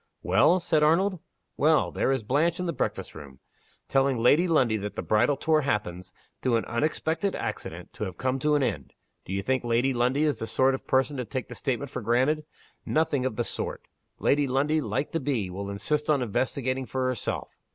"Well?" said Arnold. "Well there is Blanche in the breakfast room telling Lady Lundie that the bridal tour happens, through an unexpected accident, to have come to an end. Do you think Lady Lundie is the sort of person to take the statement for granted? Nothing of the sort! Lady Lundie, like the bee, will insist on investigating for herself.